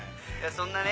そんなね